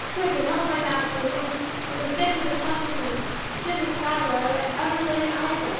quick; and help my master, who is in the thick of the toughest and stiffest battle I ever laid eyes on.